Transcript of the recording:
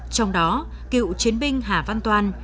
trong đó cựu chiến binh hà văn toan